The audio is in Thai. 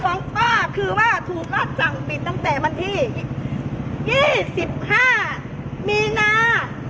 ปัญหาของป้าคือว่าถูกก็จังบินตั้งแต่มันที่๒๕มีนา